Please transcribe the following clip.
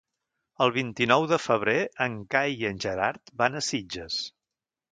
El vint-i-nou de febrer en Cai i en Gerard van a Sitges.